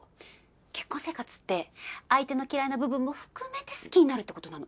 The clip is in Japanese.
結婚生活って相手の嫌いな部分も含めて好きになるってことなの。